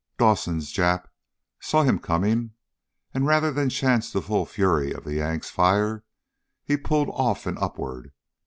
Dawson's Jap saw him coming and, rather than chance the full fury of the Yank's fire, he pulled off and upward.